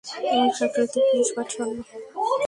ওই ফ্যাক্টরিতে পুলিশ পাঠিও না।